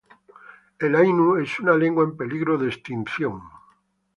El ainu es una lengua en peligro de extinción.